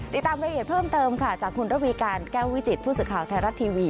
ติดตามรายละเอียดเพิ่มเติมค่ะจากคุณระวีการแก้ววิจิตผู้สื่อข่าวไทยรัฐทีวี